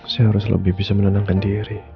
saya harus lebih bisa menenangkan diri